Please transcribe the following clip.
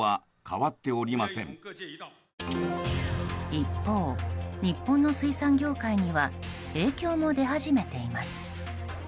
一方、日本の水産業界には影響も出始めています。